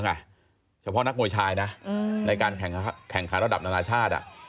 เห็นแล้วเหนอะเฉพาะนักมวยชายในการแข่งขาระดับธนาชาติ